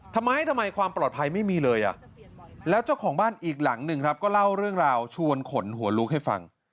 ทำไมทำไมความปลอดภัยไม่มีเลยอ่ะแล้วเจ้าของบ้านอีกหลังหนึ่งครับก็เล่าเรื่องราวชวนขนหัวลุกให้ฟัง